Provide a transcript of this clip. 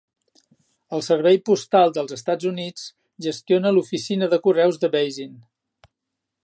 El Servei Postal dels Estats Units gestiona l'oficina de correus de Basin.